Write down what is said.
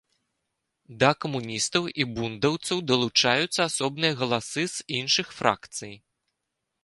Да камуністаў і бундаўцаў далучаюцца асобныя галасы з іншых фракцый.